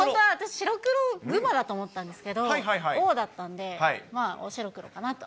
白黒熊だと思ったんですけど、大だったんで、まあ、大白黒かなと。